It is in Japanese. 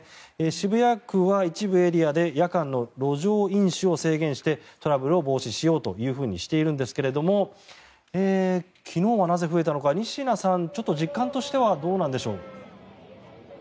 渋谷区は一部エリアで夜間の路上飲酒を制限してトラブルを防止しようとしているんですが昨日はなぜ増えたのか仁科さん、ちょっと実感としてはどうなんでしょう。